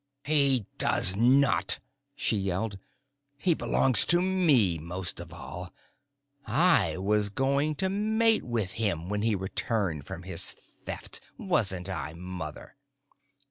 "He does not!" she yelled. "He belongs to me most of all. I was going to mate with him when he returned from his Theft, wasn't I, Mother?"